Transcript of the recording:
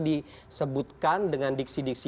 disebutkan dengan diksi diksi